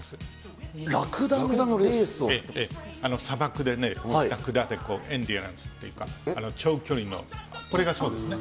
ええ、砂漠でね、ラクダでこう、っていうか、長距離の、これがそうですね。